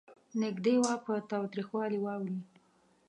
نږدې وه په تاوتریخوالي واوړي.